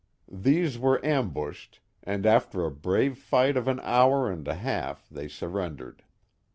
These were ambushed, and after a brave fight of an hour and a half they surrendered.